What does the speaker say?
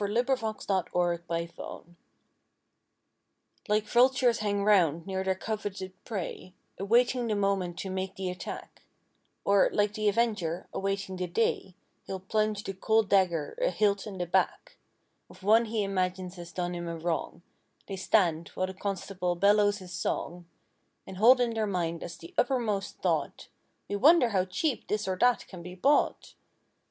THE CONSTABLE'S SALE Like vultures hang 'round near their coveted prey Awaiting the moment to make the attack; Or, like the avenger, awaiting the day He'll plunge the cold dagger a hilt in the back Of one he imagines has done him a wrong They stand, while the constable bellows his song, And hold in their minds as the uppermost thought— "We wonder how cheap this or that can be bought!"